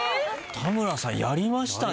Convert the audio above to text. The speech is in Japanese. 田村さんやりましたね。